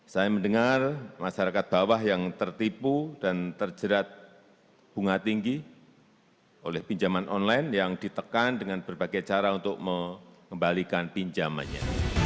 saya mendengar masyarakat bawah yang tertipu dan terjerat bunga tinggi oleh pinjaman online yang ditekan dengan berbagai cara untuk mengembalikan pinjamannya